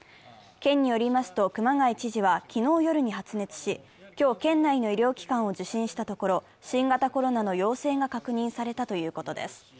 県によりますと熊谷知事は昨日夜に発熱し、今日、県内の医療機関を受診したところ新型コロナの陽性が確認されたということです。